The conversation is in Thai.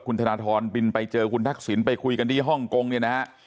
คุณธนทรบินไปเจอคุณทักษิณไปคุยกันที่ฮ่องกงเนี่ยนะฮะ